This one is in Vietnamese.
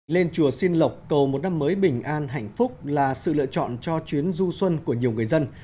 lên chùa xin lộc cầu một năm mới bình an hạnh phúc là sự lựa chọn cho chuyến du xuân của nhiều người dân